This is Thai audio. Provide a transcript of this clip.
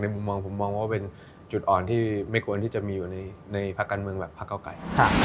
มุมมองผมมองว่าเป็นจุดอ่อนที่ไม่ควรที่จะมีอยู่ในภาคการเมืองแบบพักเก้าไกล